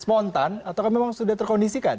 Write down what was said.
spontan atau memang sudah terkondisikan